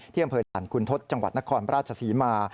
ที่กังเผยฐานคุณทศจังหวัดนครประราชศรีมา